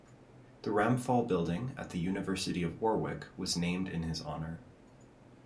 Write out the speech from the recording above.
The Ramphal Building at the University of Warwick was named in his honour.